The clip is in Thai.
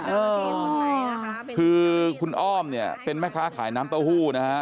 เออคือคุณอ้อมเป็นแม่ค้าขายน้ำเต้าหู้นะฮะ